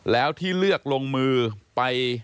แล้วที่เลือกลงมือไป